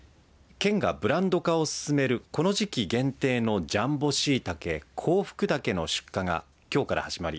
県がブランド化を進めるこの時期限定のジャンボしいたけ香福茸の出荷がきょうから始まり